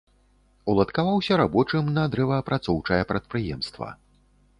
Уладкаваўся рабочым на дрэваапрацоўчае прадпрыемства.